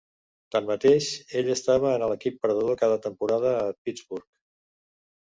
Tanmateix, ell estava en un equip perdedor cada temporada a Pittsburgh.